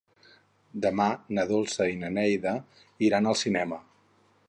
Demà na Dolça i na Neida iran al cinema.